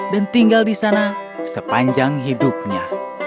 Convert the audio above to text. dan tinggal di sana sepanjang hidupnya